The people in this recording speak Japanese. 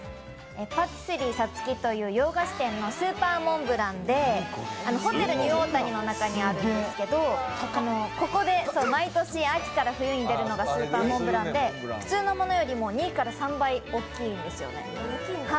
パティスリーＳＡＴＳＵＫＩという洋菓子店のスーパーモンブランでホテルニューオータニの中にあるんですけど、ここに毎年秋から冬に出るのがスーパーモンブランで普通のものよりも２３倍大きいんですよね。